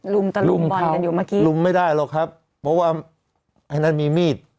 ตะลุมบอลกันอยู่เมื่อกี้ลุมไม่ได้หรอกครับเพราะว่าไอ้นั้นมีมีด